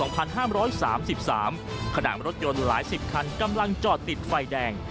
ขณะรถยนต์หลายสิบคันกำลังจอดติดไฟแดง